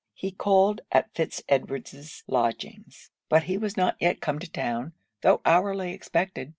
He called at Fitz Edward's lodgings; but he was not yet come to town, tho' hourly expected.